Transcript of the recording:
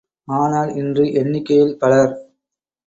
ஆனால், இன்று எண்ணிக்கையில் பலர்!